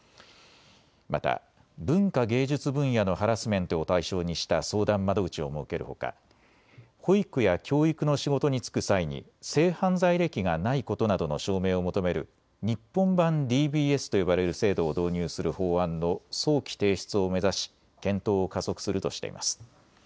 また文化芸術分野のハラスメントを対象にした相談窓口を設けるほか保育や教育の仕事に就く際に性犯罪歴がないことなどの証明を求める日本版ＤＢＳと呼ばれる制度を導入する法案の早期提出を目指し検討を加速するとしています。